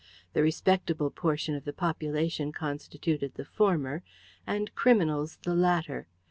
The respectable portion of the population constituted the former, and criminals the latter.